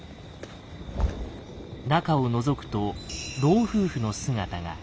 中をのぞくと老夫婦の姿が。